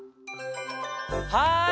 はい！